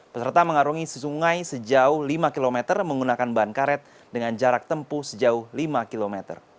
peserta mengarungi sungai sejauh lima km menggunakan bahan karet dengan jarak tempuh sejauh lima km